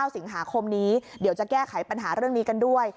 สิงหาคมนี้เดี๋ยวจะแก้ไขปัญหาเรื่องนี้กันด้วย